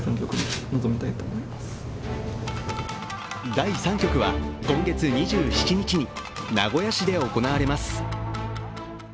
第３局は今月２７日に名古屋市で行われます。